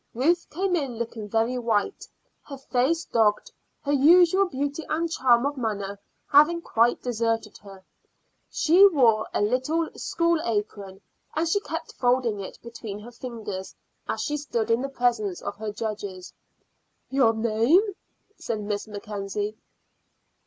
Ruth came in looking very white, her face dogged, her usual beauty and charm of manner having quite deserted her. She wore her little school apron and she kept folding it between her fingers as she stood in the presence of her judges. "Your name?" said Miss Mackenzie.